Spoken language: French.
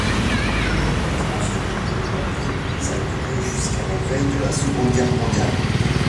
L'expansion de l'entreprise a duré jusqu'à la veille de la Seconde Guerre mondiale.